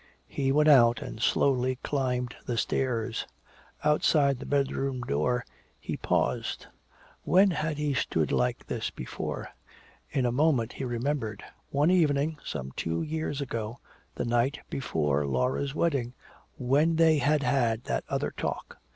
He went out and slowly climbed the stairs. Outside the bedroom door he paused. When had he stood like this before? In a moment he remembered. One evening some two years ago, the night before Laura's wedding, when they had had that other talk.